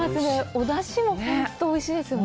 お出汁も本当においしいですよね。